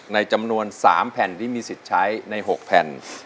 ในจำนวน๓แผ่นที่มีสิทธิ์ใช้ใน๖แผ่น